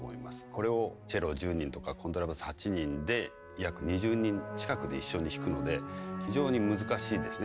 これをチェロ１０人とかコントラバス８人で約２０人近くで一緒に弾くので非常に難しいですね